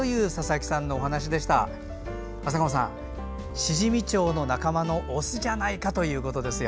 あさがおさんシジミチョウの仲間のオスじゃないかということですよ。